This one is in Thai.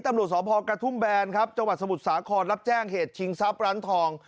ตำรวจสพกระทุ่มแบนครับจังหวัดสมุทรสาครรับแจ้งเหตุชิงทรัพย์ร้านทอง